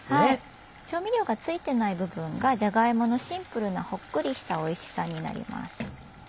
調味料が付いてない部分がじゃが芋のシンプルなホックリしたおいしさになります。